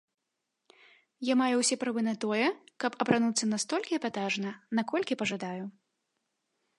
Я маю ўсе правы на тое, каб апрануцца настолькі эпатажна, наколькі пажадаю.